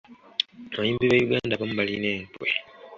Abayimbi b’e Uganda abamu balina enkwe.